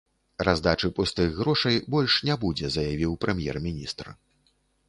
Раздачы пустых грошай больш не будзе, заявіў прэм'ер-міністр.